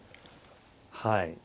はい。